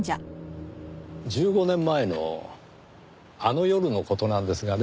１５年前のあの夜の事なんですがね。